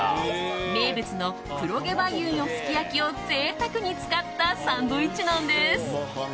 名物の黒毛和牛のすき焼きを贅沢に使ったサンドイッチなんです。